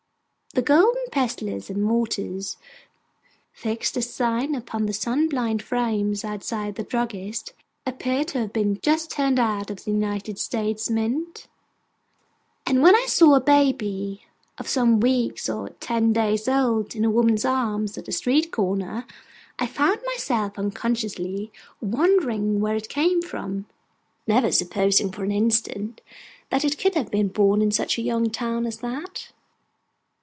The golden pestles and mortars fixed as signs upon the sun blind frames outside the Druggists', appear to have been just turned out of the United States' Mint; and when I saw a baby of some week or ten days old in a woman's arms at a street corner, I found myself unconsciously wondering where it came from: never supposing for an instant that it could have been born in such a young town as that.